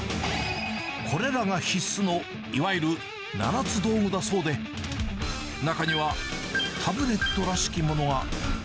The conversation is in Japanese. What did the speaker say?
これらが必須のいわゆる七つ道具だそうで、中には、タブレットらしきものが。